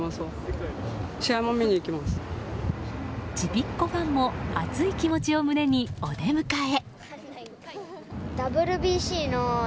ちびっこファンも熱い気持ちを胸にお出迎え。